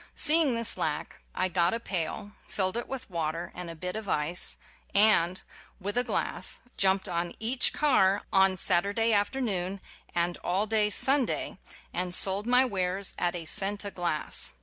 See ing this lack I got a pail, filled it with water and a bit of ice, and, with a glass, jumped on each car on Saturday after noon and all day Sunday, and sold my wares at a cent a glass.